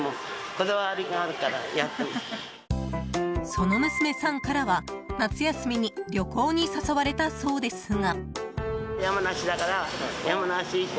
その娘さんからは、夏休みに旅行に誘われたそうですが。